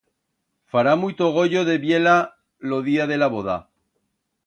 Fará muito goyo de vier-la lo día de la voda.